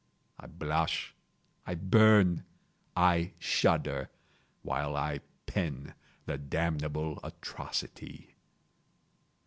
I blush, I burn, I shudder, while I pen the damnable atrocity.